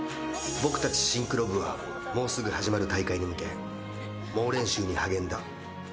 僕たちシンクロ部はもうすぐ始まる大会に向け猛練習に励んだ。